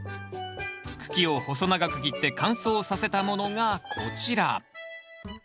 茎を細長く切って乾燥させたものがこちら。